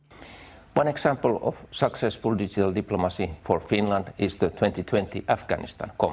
satu contoh diplomasi digital berjaya untuk finlandia adalah peradaban afganistan dua ribu dua puluh